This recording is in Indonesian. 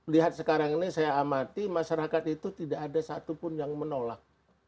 lihat sekarang ini saya amati masyarakat itu tidak ada satupun yang menolak